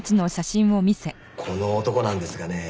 この男なんですがね